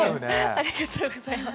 ありがとうございます。